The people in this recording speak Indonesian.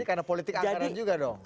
jadi karena politik angkaran juga dong